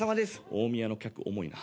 大宮の客重いな。